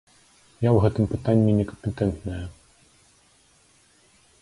Я ў гэтым пытанні не кампетэнтная.